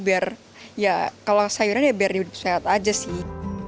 biar ya kalau sayuran ya biar dipersehat aja sih